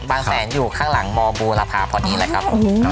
บางแสนอยู่ข้างหลังมบูรพาพอดีเลยครับผม